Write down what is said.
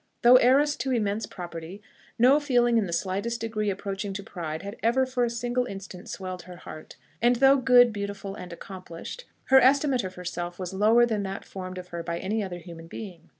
Though heiress to immense property, no feeling in the slightest degree approaching to pride had even for a single instant swelled her heart; and though good, beautiful, and accomplished, her estimate of herself was lower than that formed of her by any other human being.